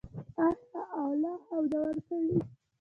آیا او لا هم نه ورکوي؟